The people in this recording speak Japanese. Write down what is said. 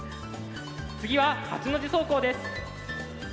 次は８の字走行です。